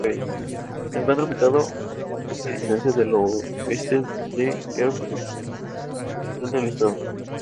Se encuentra ubicado a poca distancia al oeste de Erfurt, la capital del estado.